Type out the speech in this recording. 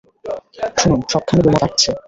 শুনুন, সবখানে বোমা ফাটছে।